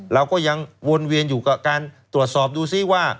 เราก็ยังวนเวียนอยู่กับการตรวจสอบดูซิว่า